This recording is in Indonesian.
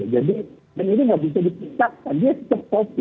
jadi ini tidak bisa dipisahkan